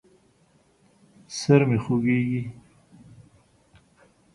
سر مې خوږېږي.